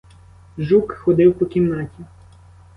Жук ходив по кімнаті.